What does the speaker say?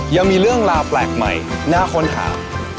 ยังมีเรื่องราวแปลกใหม่น่าค้นหา